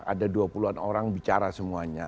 ada dua puluhan orang bicara semuanya